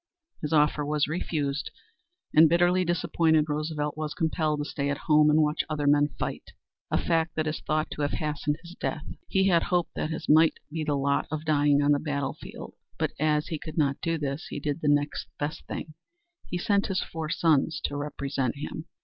His offer was refused, and, bitterly disappointed, Roosevelt was compelled to stay at home and watch other men fight a fact that is thought to have hastened his death. He had hoped that his might be the lot of dying on the field of battle. But as he could not do this, he did the next best thing he sent his four sons to represent him.